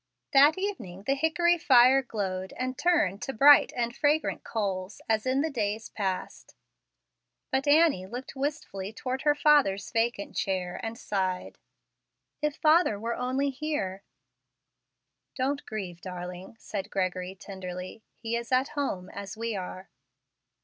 That evening the hickory fire glowed and turned to bright and fragrant coals as in the days past, but Annie looked wistfully toward her father's vacant chair, and sighed, "If father were only here!" "Don't grieve, darling," said Gregory, tenderly. "He is at home, as we are."